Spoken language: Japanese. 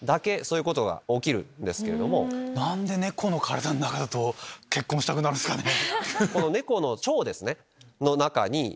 何で猫の体の中だと結婚したくなるんすかね？